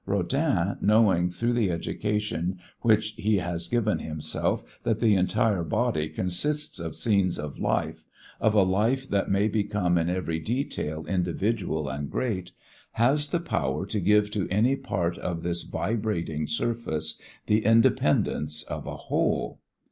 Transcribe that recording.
Rodin, knowing through the education which he has given himself that the entire body consists of scenes of life, of a life that may become in every detail individual and great, has the power to give to any part of this vibrating surface the independence of a whole.